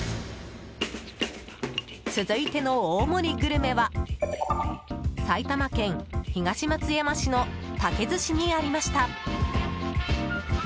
続いての大盛りグルメは埼玉県東松山市の竹寿司にありました。